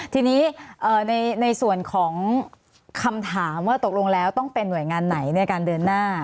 ทีนี้ในส่วนของคำถามว่าตกลงแล้วต้องเป็นหน่วยงานไหนในการเดินหน้า